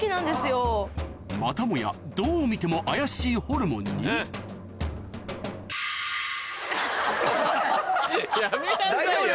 またもやどう見ても怪しいホルモンにやめなさいよ